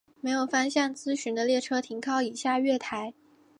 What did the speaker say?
没有方向资讯的列车停靠以下月台。